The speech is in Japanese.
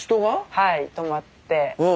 はい泊まって。